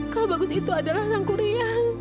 kalau bagus itu adalah sang kurian